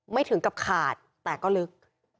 ถึงกับขาดแต่ก็ลึก